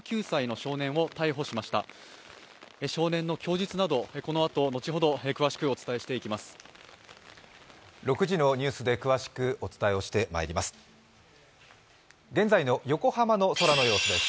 少年の供述など、このあと詳しくお伝えしていきます。